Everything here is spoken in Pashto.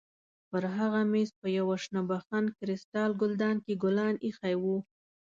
پر هغه مېز په یوه شنه بخون کریسټال ګلدان کې ګلان ایښي وو.